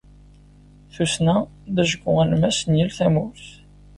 Tussna d ajgu alemmas n yal tamurt.